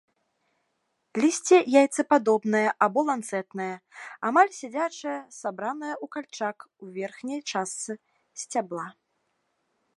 Лісце яйцападобнае або ланцэтнае, амаль сядзячае, сабранае ў кальчак у верхняй частцы сцябла.